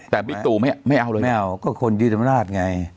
แต่บิ๊กตู่ไม่เอาเลยไม่เอาก็คนยึดอำนาจไง